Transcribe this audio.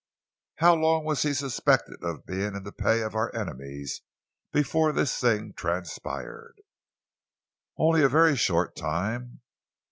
"How long was he suspected of being in the pay of our enemies before this thing transpired?" "Only a very short time.